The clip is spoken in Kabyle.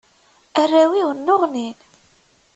Arraw-iw nneɣnin.